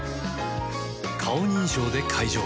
顔認証で解錠